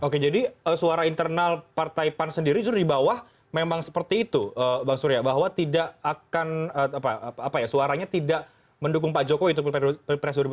oke jadi suara internal partai pan sendiri justru di bawah memang seperti itu bang surya bahwa tidak akan suaranya tidak mendukung pak jokowi untuk pilpres dua ribu sembilan belas